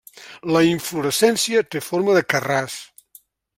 La inflorescència té forma de carràs.